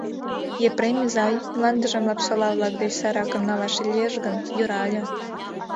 Епрем изай, мландыжым Лапсола-влак деч сайракым налаш лиеш гын, йӧра ыле.